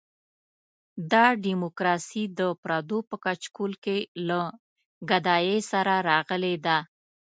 دا ډیموکراسي د پردو په کچکول کې له ګدایۍ سره راغلې ده.